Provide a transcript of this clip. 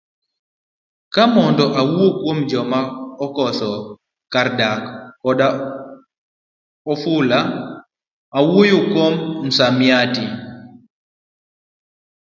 Kar mondo owuo kuom joma okoso kar dak koda ofula, owuoyo kuom msamiati.